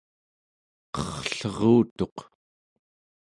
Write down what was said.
qerrlerutuq